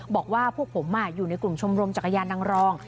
บอกว่าพวกผมอยู่ในกลุ่มชมรมจักรยานนางรอง